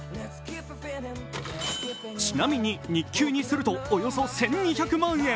ちなみに日給にするとおよそ１２００万円。